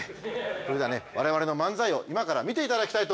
それではね我々の漫才を今から見ていただきたいと思います。